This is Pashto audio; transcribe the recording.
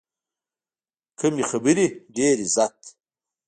کم خبرې، ډېر عزت.